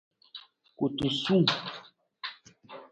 Kutusung.